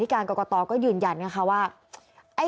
ที่กรลดการกรกตก็ยืนยันได้ค่ะว่า